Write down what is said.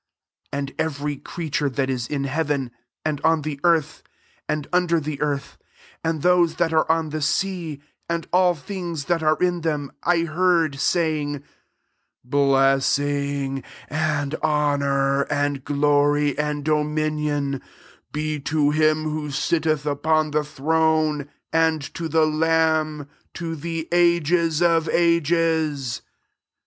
13 And every creature that pt] in heaven, and on the earth, and under the earth, and those that are on the sea, and all things that are in them, I heard, say ing, " Blessing, and honour, and glory, and dominion, de to him who sitteth upon the throne, and to the lamb, to the ages of ages."